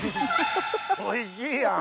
おいしいやん！